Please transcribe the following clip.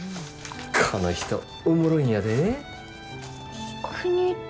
この人、おもろいんやで。